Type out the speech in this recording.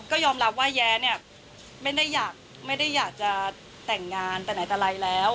ก็ยอมรับว่าแย้เนี่ยไม่ได้อยากจะแต่งงานแต่ไหนแต่ไรแล้ว